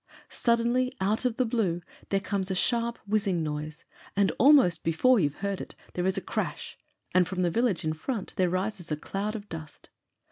Suddenly, out of the blue there comes a sharp, whizzing noise, and almost before you've heard it there is a crash, and from the village in front there rises a cloud of dust.